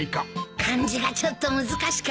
漢字がちょっと難しかったもので。